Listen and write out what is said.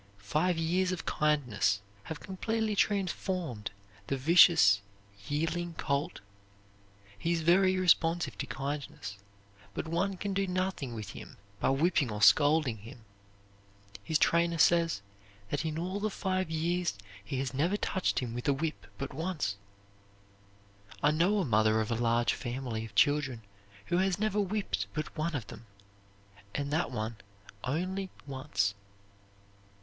Five years of kindness have completely transformed the vicious yearling colt. He is very responsive to kindness, but one can do nothing with him by whipping or scolding him. His trainer says that in all the five years he has never touched him with a whip but once. I know a mother of a large family of children who has never whipped but one of them, and that one only once.